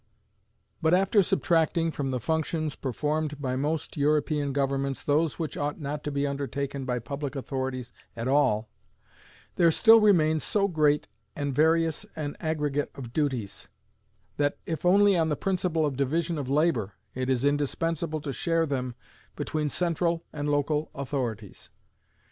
But after subtracting from the functions performed by most European governments those which ought not to be undertaken by public authorities at all, there still remains so great and various an aggregate of duties, that, if only on the principle of division of labor, it is indispensable to share them between central and local authorities.